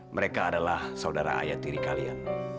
mereka adalah saudara ayah tiri kalian